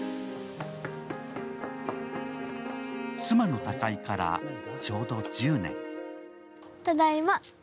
妻の他界からちょうど１０年。